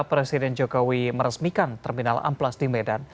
presiden jokowi meresmikan terminal amplas di medan